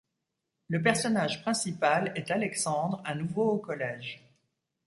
Le personnage principal est Alexandre, un nouveau au collège.